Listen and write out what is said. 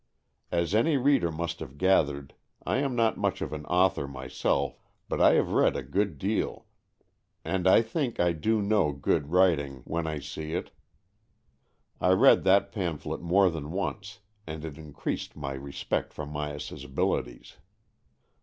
As any reader must have gathered, I am not much of an author myself, but I have read a good deal, and I think I do know good writing 88 AN EXCHANGE OF SOULS when I see it. I read that pamphlet more than once, and it increased my respect for Myas's abilities.